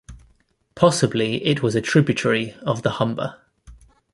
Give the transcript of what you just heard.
Possibly it was a tributary of the Humber.